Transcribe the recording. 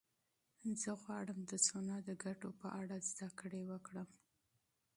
زه غواړم د سونا د ګټو په اړه زده کړه وکړم.